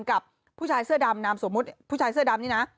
กับผู้ชายเสื้อดำนามสมมุติผู้ชายเสื้อดำนี่นะ